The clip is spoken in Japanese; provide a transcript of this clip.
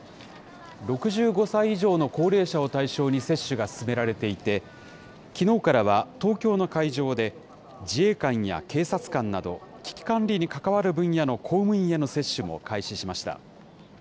６５歳以上の高齢者を対象に接種が進められていて、きのうからは東京の会場で自衛官や警察官など、危機管理に関わる分野の公務員への接種も開始しました。